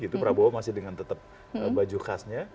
itu prabowo masih dengan tetap baju khasnya